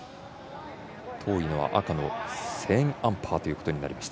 遠いのは赤のセーンアンパーとなりました。